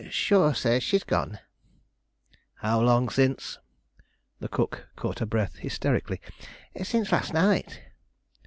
"Shure, sir, she's gone." "How long since?" The cook caught her breath hysterically. "Since last night."